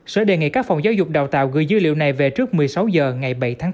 sở đề nghị các phòng giáo dục đào tạo gửi dữ liệu này về trước một mươi sáu h ngày bảy tháng bốn